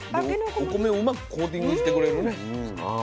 お米をうまくコーティングしてくれるねバター。